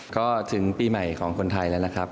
ก็ถึงปีใหม่ของคนไทยแล้วนะครับ